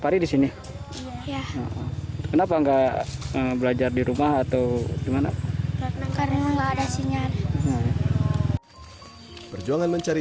hari sini kenapa enggak belajar di rumah atau gimana karena ada sinyal perjuangan mencari